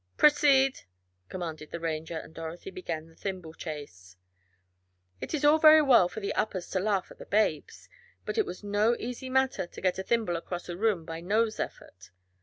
"Proceed!" commanded the Ranger, and Dorothy began the thimble chase. It is all very well for the "uppers" to laugh at the Babes, but it was no easy matter to get a thimble across a room by nose effort.